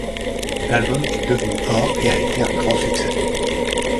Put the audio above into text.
L'album est devenu or et a été un grand succès.